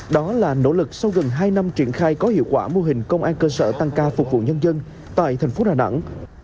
đó là nỗ lực sau gần hai năm triển khai có hiệu quả mô hình công an cơ sở tăng ca phục vụ nhân dân tại thành phố đà nẵng